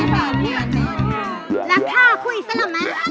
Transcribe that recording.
ลักค่าคุยสรรมัน